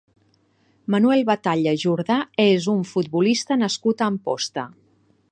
Manuel Batalla Jordá és un futbolista nascut a Amposta.